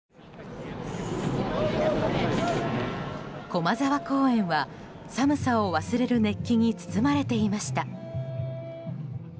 駒沢公園は寒さを忘れる熱気に包まれていました。